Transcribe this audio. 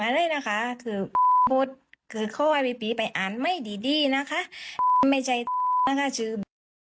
อะไรนะคะคือโพสคือข้อไว้ปีไปอ่านไม่ดีดีนะคะไม่ใช่นะคะชื่อ